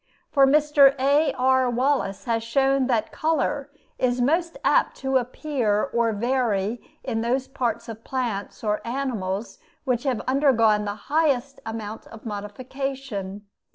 For Mr. A.R. Wallace has shown that color is most apt to appear or to vary in those parts of plants or animals which have undergone the highest amount of modification.